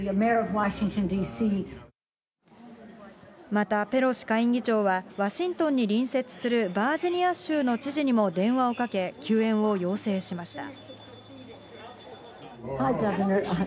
また、ペロシ下院議長は、ワシントンに隣接するバージニア州の知事にも電話をかけ、救援を要請しました。